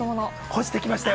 干してきましたよ。